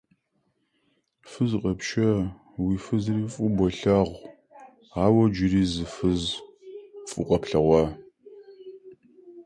Положим, ты женат, ты любишь жену, но ты увлекся другою женщиной...